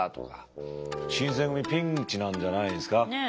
新選組ピンチなんじゃないですか？